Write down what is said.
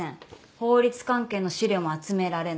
法律関係の資料も集められない。